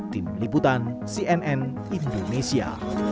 tim liputan cnn indonesia